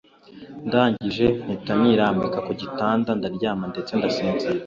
ndangije mpita nirambika kugitanda ndaryama ndetse ndasinzira